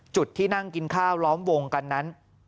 จุดที่นั่งกินข้าวล้อมวงกันนั้น